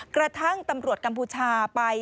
กระทั่งตำรวจกัมพูชาไป